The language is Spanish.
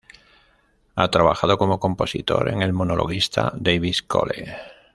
Ha trabajado como compositor con el monologuista David Cole.